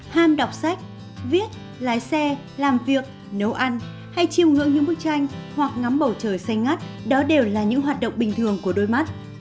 ham đọc sách viết lái xe làm việc nấu ăn hay chiêm ngưỡng những bức tranh hoặc ngắm bầu trời xanh ngắt đó đều là những hoạt động bình thường của đôi mắt